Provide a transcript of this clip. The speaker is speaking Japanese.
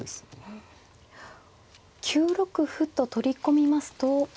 ９六歩と取り込みますと。